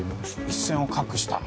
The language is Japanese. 一線を画した